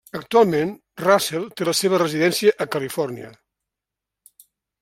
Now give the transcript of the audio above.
Actualment, Russell té la seva residència a Califòrnia.